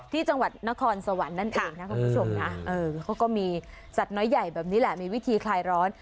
ที่จังหวัดนครสวรรค์นั่นเองนะคุณผู้ชมนะเขาก็มีสัตว์น้อยใหญ่แบบนี้แหละมีวิธีคลายร้อน